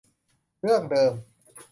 เรื่องเดิม